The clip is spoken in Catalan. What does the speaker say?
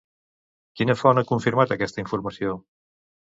Quina font ha confirmat aquesta informació?